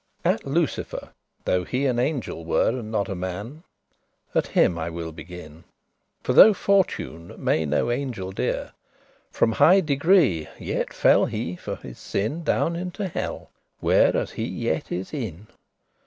At LUCIFER, though he an angel were, And not a man, at him I will begin. For though Fortune may no angel dere,* *hurt From high degree yet fell he for his sin Down into hell, where as he yet is in.